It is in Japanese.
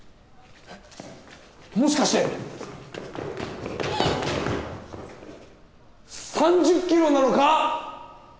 もしかして３０キロなのか！？